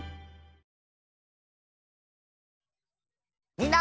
みんな！